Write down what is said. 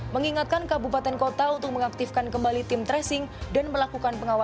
mengingatkan kabupaten kota untuk mengaktifkan kembali tim tracing dan melakukan pengawasan